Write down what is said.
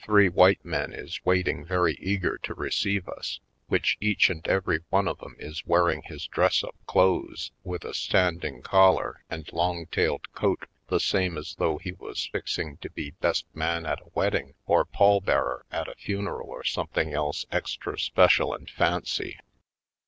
PoindexteTj Colored white men is waiting very eager to receive us, which each and every one of 'em is wear ing his dress up clothes with a standing col lar and long tailed coat the same as though he was fixing to be best man at a wedding or pall bearer at a funeral or something else extra special and fancy.